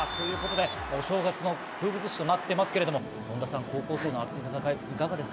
お正月の風物詩となってますけれど本田さん、高校生の熱い戦い、いかがですか？